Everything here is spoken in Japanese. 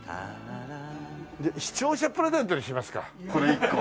視聴者プレゼントにしますかこれ１個。